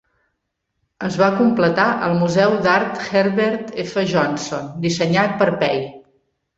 Es va completar el Museu d'Art Herbert F. Johnson, dissenyat per Pei.